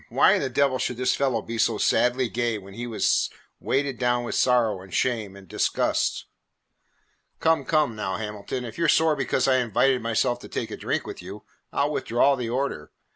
Why in the devil should this fellow be so sadly gay when he was weighted down with sorrow and shame and disgust? "Come, come now, Hamilton, if you 're sore because I invited myself to take a drink with you, I 'll withdraw the order.